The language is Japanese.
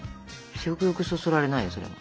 食欲そそられないよそれも。